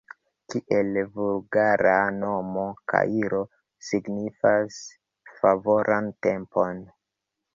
Kiel vulgara nomo kairo signas favoran tempon.